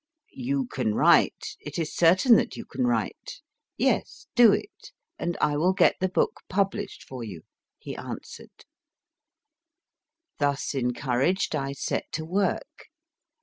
1 You can write it is certain that you can write. Yes, do it, and I will get the book published for you/ he answered. Thus encouraged I set to work.